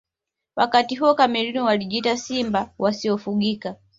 wakati huo cameroon walijiita simba wasiofugika